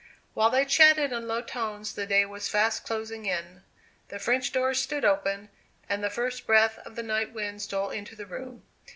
While they chatted in low tones, the day was fast closing in. The French windows stood open, and the first breath of the night wind stole into the room.